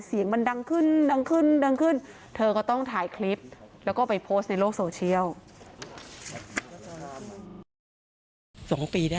เสียงมันดังขึ้นดังขึ้นดังขึ้นเธอก็ต้องถ่ายคลิปแล้วก็ไปโพสต์ในโลกโซเชียล